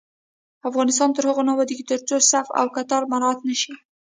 افغانستان تر هغو نه ابادیږي، ترڅو صف او کتار مراعت نشي.